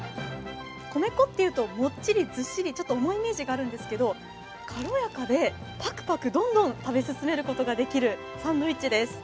米粉っていうと、もっちり、ずっしり、ちょっと重いイメージがあるんですけど、軽やかでパクパク、どんどん食べ進めることができるサンドイッチです